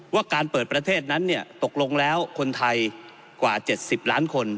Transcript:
ว่าการเปิดประเทศนั้นตกลงแล้วคนไทยกว่า๗๐ล้านคน